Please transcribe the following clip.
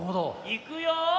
いくよ。